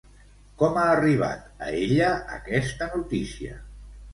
Com ha arribat a ella aquesta notícia?